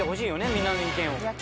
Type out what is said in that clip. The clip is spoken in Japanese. みんなの意見を。